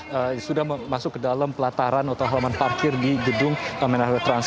yang sudah masuk ke dalam pelataran atau halaman parkir di gedung merah trans